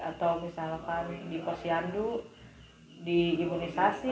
atau misalkan di posyandu diimunisasi